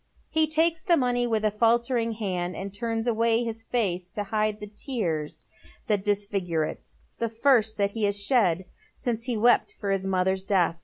He takes the money with a faltering hand, and turns away hip face to hide the tears that disfi/^n e it, the first that he has shed uce he wept for his mother's death.